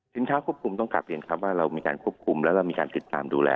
สินค้าควบคุมต้องกลับเปลี่ยนว่าเรามีการควบคุมและมีการติดตามดูแล